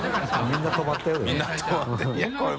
みんな止まって